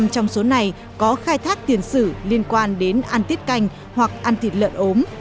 bốn mươi năm mươi trong số này có khai thác tiền sử liên quan đến ăn tiết canh hoặc ăn thịt lợn ốm